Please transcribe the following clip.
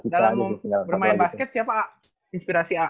dalam bermain basket siapa inspirasi a